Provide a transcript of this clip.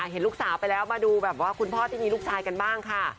เห็นลูกสาวไปแล้วมาดูแบบว่าคุณพ่อที่มีลูกชายกันบ้างค่ะ